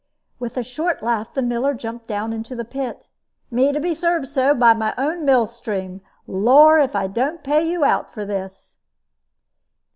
With a short laugh the miller jumped down into the pit. "Me to be served so, by my own mill stream! Lor', if I don't pay you out for this!"